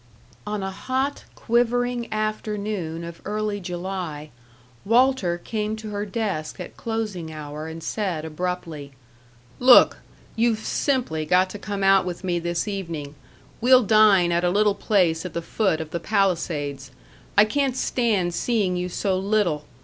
On a hot, quivering afternoon of early July, Walter came to her desk at closing hour and said, abruptly: "Look. You've simply got to come out with me this evening. We'll dine at a little place at the foot of the Palisades. I can't stand seeing you so little.